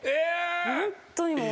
ホントにもう。